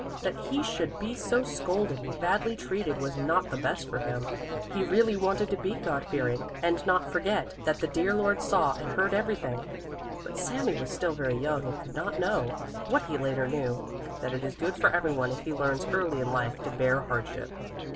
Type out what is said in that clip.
That he should be so scolded and badly treated was not the best for him. He really wanted to be God fearing and not forget that the dear Lord saw and heard everything. But Sami was still very young and could not know, what he later knew, that it is good for everyone if he learns early in life to bear hardship.